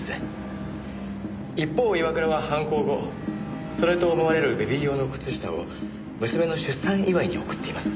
一方岩倉は犯行後それと思われるベビー用の靴下を娘の出産祝いに贈っています。